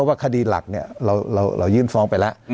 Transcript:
ว่าคดีหลักเนี่ยเรายื่นฟ้องไปแล้ว